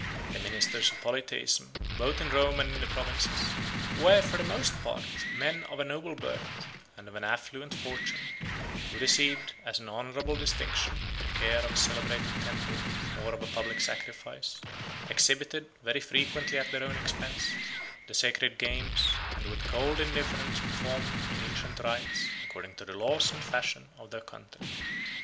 The ministers of Polytheism, both in Rome and in the provinces, were, for the most part, men of a noble birth, and of an affluent fortune, who received, as an honorable distinction, the care of a celebrated temple, or of a public sacrifice, exhibited, very frequently at their own expense, the sacred games, 151 and with cold indifference performed the ancient rites, according to the laws and fashion of their country.